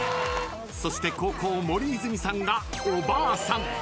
［そして後攻森泉さんがおばあさん］